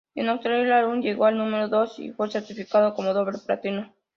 En Australia, el álbum llegó al número dos, y fue certificado como doble platino.